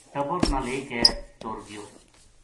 ٹبر نا لے کے ٹر گیو